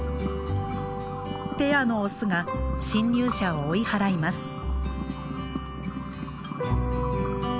ペアのオスが侵入者を追い払います。